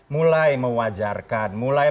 mulai mewajarkan mulai